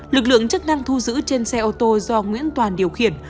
lực lượng chức năng thu giữ trên xe ô tô do nguyễn toàn điều khiển